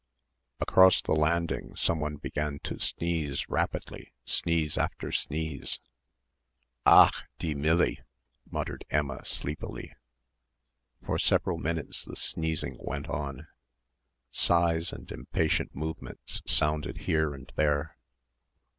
Across the landing someone began to sneeze rapidly sneeze after sneeze. "Ach, die Millie!" muttered Emma sleepily. For several minutes the sneezing went on. Sighs and impatient movements sounded here and there.